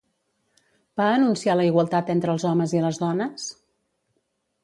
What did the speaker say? Va anunciar la igualtat entre els homes i les dones?